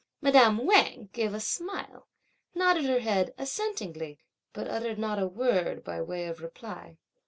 Madame Wang gave a smile, nodded her head assentingly, but uttered not a word by way of reply.